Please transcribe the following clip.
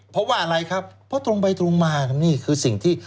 เพราะว่าอะไรครับเพราะตรงไปตรงมานี่คือสิ่งที่